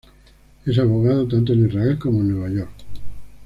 Es abogado tanto en Israel como en Nueva York.